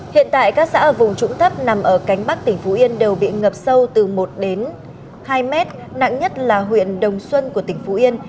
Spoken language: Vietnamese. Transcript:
hiện tại các xã ở vùng trũng thấp nằm ở cánh bắc tỉnh phú yên đều bị ngập sâu từ một đến hai mét nặng nhất là huyện đồng xuân của tỉnh phú yên